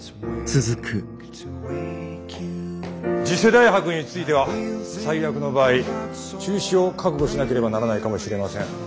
次世代博については最悪の場合中止を覚悟しなければならないかもしれません。